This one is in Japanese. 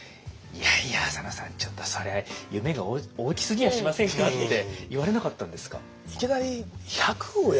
「いやいや淺野さんちょっとそれは夢が大きすぎやしませんか？」って言われなかったんですか？